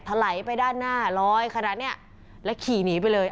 ถลายไปด้านหน้าลอยขนาดเนี้ยแล้วขี่หนีไปเลย